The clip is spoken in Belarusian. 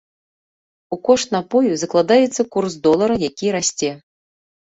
У кошт напою закладаецца курс долара, які расце.